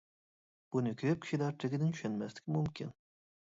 بۇنى كۆپ كىشىلەر تېگىدىن چۈشەنمەسلىكى مۇمكىن.